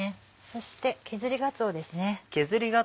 そして削りがつおですね。